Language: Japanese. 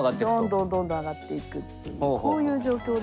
どんどんどんどん上がっていくっていうこういう状況ですね。